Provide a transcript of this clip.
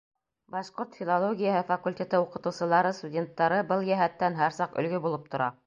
Башҡорт филологияһы факультеты уҡытыусылары, студенттары был йәһәттән һәр саҡ өлгө булып тора.